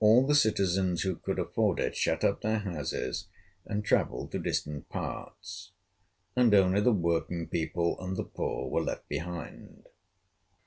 All the citizens who could afford it shut up their houses and travelled to distant parts, and only the working people and the poor were left behind.